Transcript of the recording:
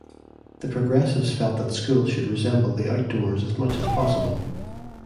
The Progressives felt that schools should resemble the outdoors as much as possible.